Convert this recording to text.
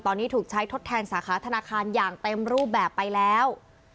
ตอนนี้ถูกใช้ทดแทนสาขาธนาคารอย่างเต็มรูปแบบไปแล้ว